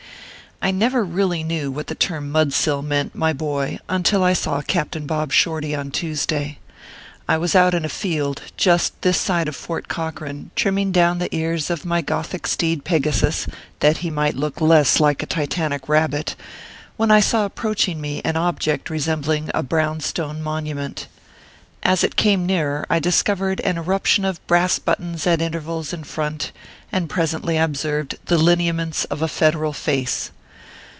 I NEVER really knew what the term " mudsill" meant, my boy, until I saw Captain Bob Shorty on Tuesday. I was out in a field, just this side of Fort Corcoran, trimming down the ears of my gothic steed Pegasus, that he might look less like a Titanic rabbit, when I saw approaching me an object resembling a brown stone monument. As it came nearer, I dis covered an eruption of brass buttons at intervals in front, and presently I observed the lineaments of a Federal face.